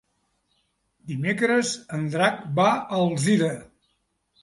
Dimecres en Drac va a Alzira.